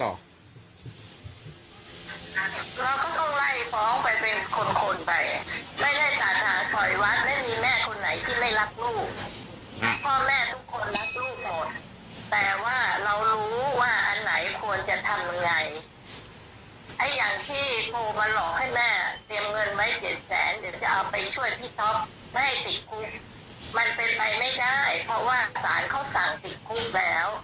มันเป็นอะไรไม่ได้เพราะว่าสารเขาสั่งสิทธิ์คุ้มแล้ว